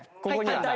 ここに。